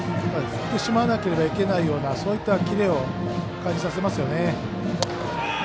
振ってしまわなければいけないようなそういったキレを感じさせますよね。